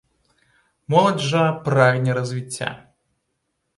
Моладзь жа прагне развіцця.